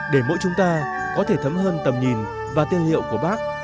để mỗi chúng ta có thể thấm hơn tầm nhìn và tiên liệu của bác